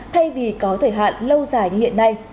thay vì có thời hạn lâu dài như hiện nay